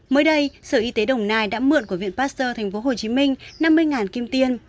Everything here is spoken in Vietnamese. mới đây sở y tế đồng nai đã mượn của viện pfizer tp hcm năm mươi kim tiêm